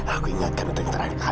aku ingatkan untuk yang terakhir kali